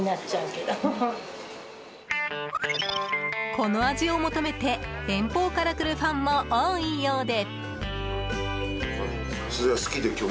この味を求めて遠方から来るファンも多いようで。